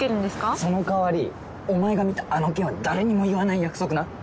その代わりお前が見たあの件は誰にも言わない約束な。